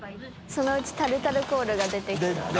そのうちタルタルコールが出てきそう。